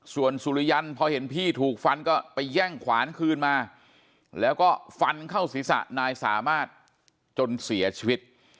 ส่วนสุริยันพอเห็นพี่ถูกฟันก็ไปแย่งขวานคืนมาแล้วก็ฟันเข้าศีรษะนายสามารถจนเสียชีวิต